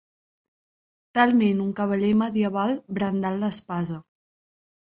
Talment un cavaller medieval brandant l'espasa.